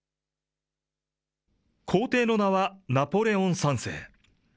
皇帝の名は、ナポレオン３世。